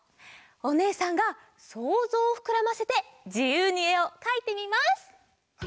おねえさんがそうぞうをふくらませてじゆうにえをかいてみます。